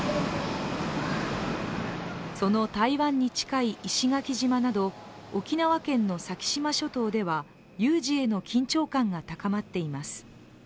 その台湾に近い石垣島など、沖縄県の先島諸島では有事への緊張感が高まっています。